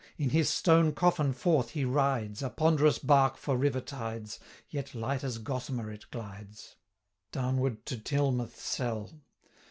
In his stone coffin forth he rides, A ponderous bark for river tides, Yet light as gossamer it glides, Downward to Tilmouth cell.